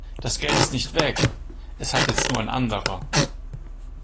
Das Geld ist nicht weg, es hat jetzt nur ein anderer.